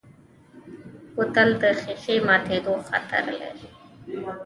بوتل د ښیښې ماتیدو خطر لري.